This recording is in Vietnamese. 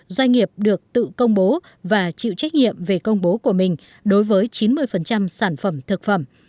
doanh nghiệp được tự công bố và chịu trách nhiệm về công bố của mình đối với chín mươi sản phẩm thực phẩm